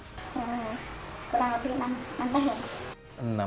kurang lebih enam tahun ya